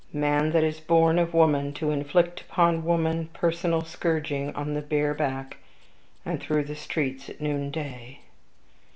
Man that is born of woman, to inflict upon woman personal scourging on the bare back, and through the streets at noonday!